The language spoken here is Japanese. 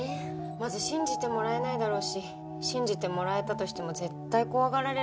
まず信じてもらえないだろうし信じてもらえたとしても絶対怖がられるしね。